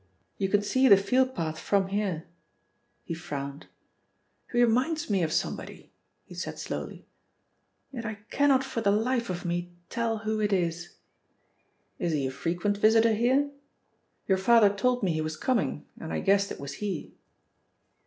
"You can see the field path from here." He frowned. "He reminds me of somebody," he said slowly, "yet I cannot for the life of me tell who it is. Is he a frequent visitor here? Your father told me he was coming, and I guessed it was he."